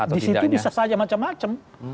di situ bisa saja macam macam